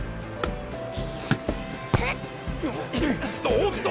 おおっと！